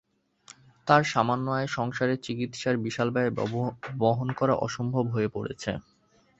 তাঁর সামান্য আয়ে সন্তানের চিকিৎসার বিশাল ব্যয় বহন করা অসম্ভব হয়ে পড়েছে।